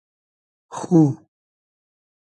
خو